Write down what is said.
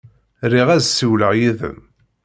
Riɣ ad ssiwleɣ yid-m.